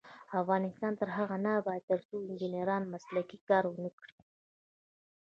افغانستان تر هغو نه ابادیږي، ترڅو انجنیران مسلکي کار ونکړي.